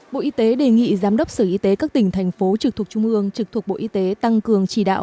bộ y tế đề nghị giám đốc sở y tế các tỉnh thành phố trực thuộc trung ương trực thuộc bộ y tế tăng cường chỉ đạo